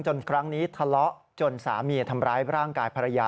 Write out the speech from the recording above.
ครั้งนี้ทะเลาะจนสามีทำร้ายร่างกายภรรยา